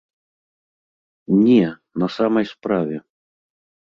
Не, на самай справе.